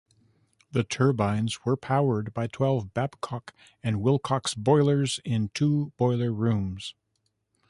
The turbines were powered by twelve Babcock and Wilcox boilers in two boiler rooms.